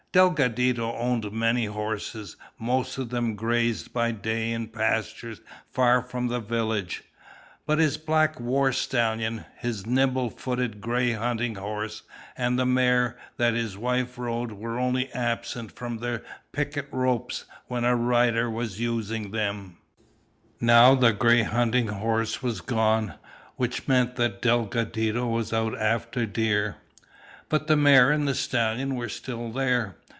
Delgadito owned many horses. Most of them grazed by day in pastures far from the village. But his black war stallion, his nimble footed gray hunting horse, and the mare that his wife rode were only absent from their picket ropes when a rider was using them. Now the gray hunting horse was gone, which meant that Delgadito was out after deer. But the mare and the stallion were still there.